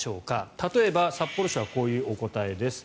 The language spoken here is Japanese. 例えば札幌市はこういうお答えです。